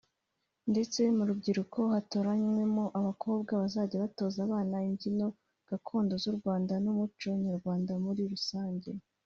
ndetse mu rubyiruko hatoranywamo abakobwa bazajya batoza abana imbyino gakondo z’u Rwanda n’umuco nyarwanda muri rusange